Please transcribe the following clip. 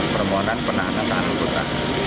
permohonan penahanan kota